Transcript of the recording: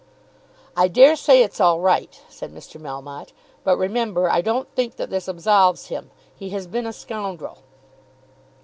"I dare say it's all right," said Mr. Melmotte. "But, remember, I don't think that this absolves him. He has been a scoundrel."